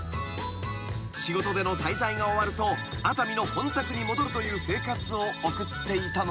［仕事での滞在が終わると熱海の本宅に戻るという生活を送っていたのだ］